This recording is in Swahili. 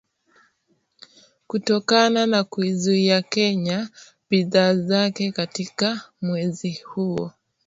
Kutokana na kuiuzia Kenya bidhaa zake katika mwezi huo